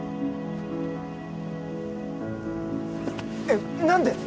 えっ何で